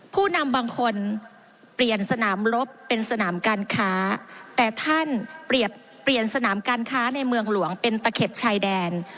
ผู้นำบางคนเปลี่ยนสนามลบเป็นสนามการค้าแต่ท่านเปลี่ยนเปลี่ยนสนามการค้าในเมืองหลวงเป็นตะเข็บชายแดน